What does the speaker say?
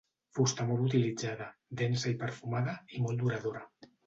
Fusta molt utilitzada, densa i perfumada i molt duradora.